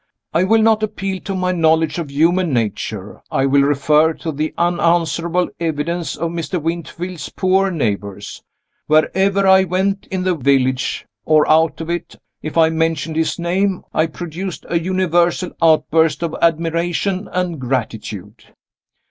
I will not appeal to my knowledge of human nature I will refer to the unanswerable evidence of Mr. Winterfield's poorer neighbors. Wherever I went, in the village or out of it, if I mentioned his name, I produced a universal outburst of admiration and gratitude.